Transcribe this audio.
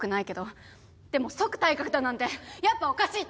でも即退学だなんてやっぱおかしいと思う。